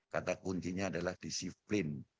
kata kuncinya adalah disiplin